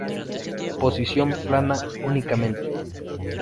Posición plana únicamente.